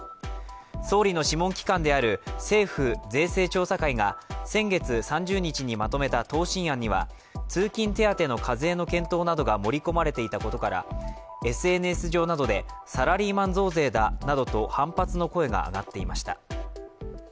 総理の諮問機関である政府税制調査会が先月３０日にまとめた答申案には通勤手当の課税の検討などが盛り込まれていたことからＳＮＳ上などで、サラリーマン増税だなどと反発の声が上がっていました。